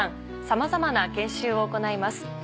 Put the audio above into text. さまざまな研修を行います。